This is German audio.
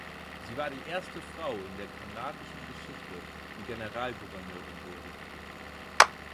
Sie war die erste Frau in der kanadischen Geschichte, die Generalgouverneurin wurde.